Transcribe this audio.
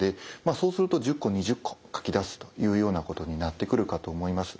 そうすると１０個２０個書き出すというようなことになってくるかと思います。